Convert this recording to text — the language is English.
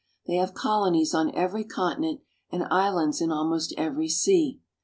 They have colonies on every continent, and islands in almost every sea.